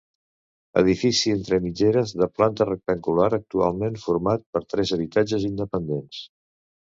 Edifici entre mitgeres de planta rectangular, actualment format per tres habitatges independents.